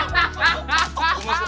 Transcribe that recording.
gue suka pisang semua